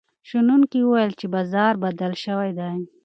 شنونکي وویل چې بازار بدل شوی دی.